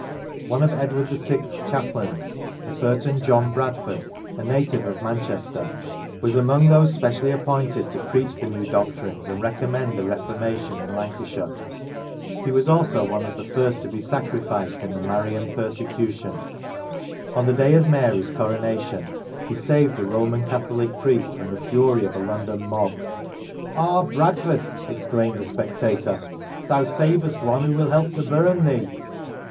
One of Edward VI .'s chaplains, a certain John Bradford, a native of Manchester, was among those specially appointed to preach the new" doctrines, and recommend the Reformation, in Lancashire. He was also one of the first to be sacrificed in the Marian persecution. On the day of Mary's Coronation he saved a Roman Catholic priest from the fury of a London mob. " Ah ! Bradford," exclaimed a spectator, " thou savest one who will help to burn thee."